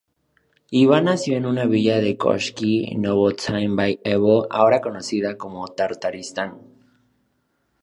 Ivan nació en una villa de Koshki-Novotimbaeyvo ahora conocida como Tartaristán.